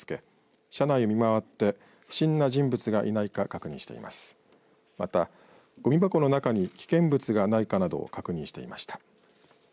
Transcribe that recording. また、ごみ箱の中に危険物がないかなどを確認していました。